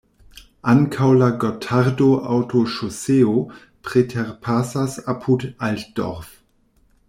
Ankaŭ la Gotardo-autoŝoseo preterpasas apud Altdorf.